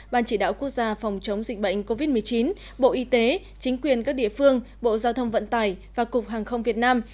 ban chỉ đạo quốc gia phòng chống dịch bệnh covid một mươi chín bộ y tế chính quyền các địa phương bộ giao thông vận tải và cục hàng không việt nam